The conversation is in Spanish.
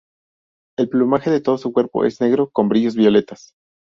El plumaje de todo su cuerpo es negro con brillos violetas.